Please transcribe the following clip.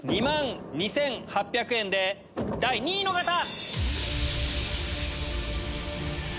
２万２８００円で第２位の方！